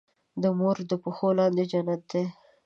د مور د پښو لاندې جنت دی.